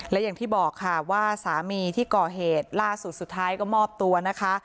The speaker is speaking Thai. และอย่างที่บอกค่ะว่าสามีที่ก่อเหตุล่าสุดสุดท้ายก็มอบตัวนะคะ